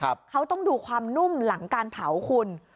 เขาต้องดูความนุ่มหลังการเผาคุณ